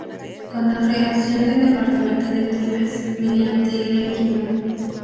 Con la creación del departamento de Tumbes, mediante Ley No.